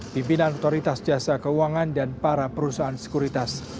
pimpinan otoritas jasa keuangan dan para perusahaan sekuritas